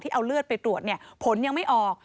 ที่เอาเลือดไปตรวจเนี่ยผลยังไม่ออก